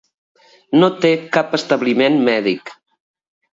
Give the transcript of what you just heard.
No té cap establiment mèdic.